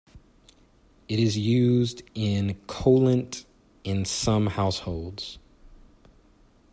It is used in cholent in some households.